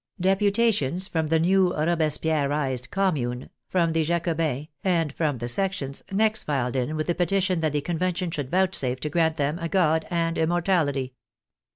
Deputations from the new Robespierrized Commune, from the Jaco bins, and from the sections next filed in with the petition that the Convention should vouchsafe to grant them a God and Immortality.